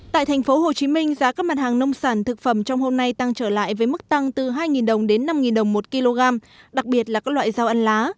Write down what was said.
tại thành phố hồ chí minh giá các mặt hàng nông sản thực phẩm trong hôm nay tăng trở lại với mức tăng từ hai đồng đến năm đồng một kg đặc biệt là các loại rau ăn lá